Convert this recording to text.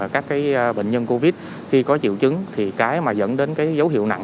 các bệnh nhân covid một mươi chín khi có triệu chứng thì cái mà dẫn đến dấu hiệu nặng